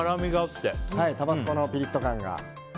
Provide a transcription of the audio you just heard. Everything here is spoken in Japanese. タバスコのピリッと感が。